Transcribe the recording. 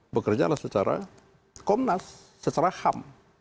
bekerjalah secara komnas secara ham